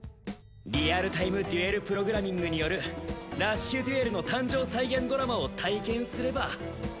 リアルタイムデュエルプログラミングによるラッシュデュエルの誕生再現ドラマを体験すれば。